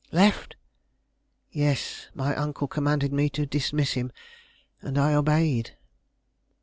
"Left!" "Yes, my uncle commanded me to dismiss him, and I obeyed."